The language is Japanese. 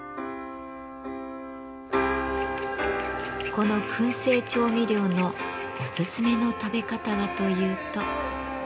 この燻製調味料のおすすめの食べ方はというと。